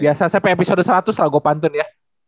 biasa saya pake episode seratus lah gue pantun ya